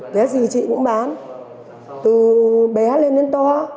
bé gì chị cũng bán từ bé lên đến to